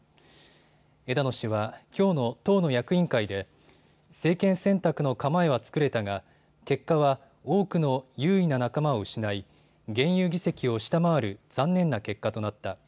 枝野氏は、きょうの党の役員会で政権選択の構えは作れたが結果は多くの有為な仲間を失い現有議席を下回る残念な結果となった。